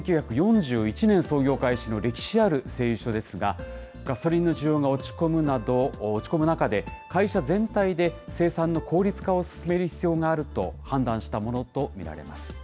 １９４１年操業開始の歴史ある製油所ですが、ガソリンの需要が落ち込む中で、会社全体で生産の効率化を進める必要があると判断したものと見られます。